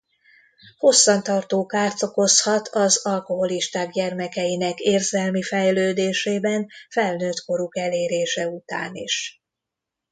Hosszan tartó kárt okozhat az alkoholisták gyermekeinek érzelmi fejlődésében felnőttkoruk elérése után is.